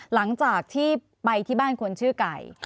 หลังจากที่ไปที่บ้านคนชื่อไก่